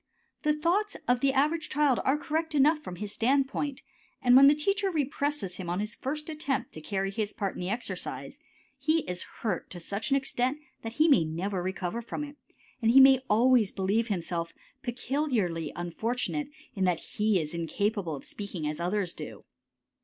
The thoughts of the average child are correct enough from his standpoint, and when the teacher represses him on his first attempt to carry his part in the exercise, he is hurt to such an extent that he may never recover from it, and he may always believe himself peculiarly unfortunate in that he is incapable of speaking as others do.